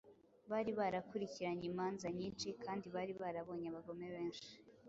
Bari barakurikiranye imanza nyinshi kandi bari barabonye abagome benshi